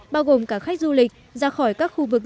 bao gồm cả khách du lịch ra khỏi các khu vực